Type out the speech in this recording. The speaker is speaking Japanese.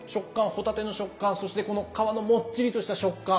帆立ての食感そしてこの皮のもっちりとした食感。